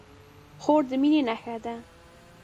خور د مینې نښه ده.